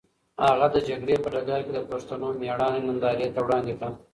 هغه د جګړې په ډګر کې د پښتنو مېړانه نندارې ته وړاندې کړه.